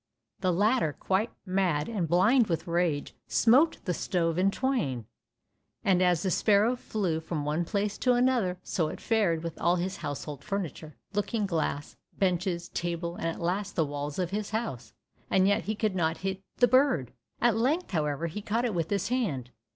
The latter, quite mad and blind with rage, smote the stove in twain, and as the sparrow flew from one place to another so it fared with all his household furniture, looking glass, benches, table, and at last the walls of his house, and yet he could not hit the bird. At length, however, he caught it with his hand.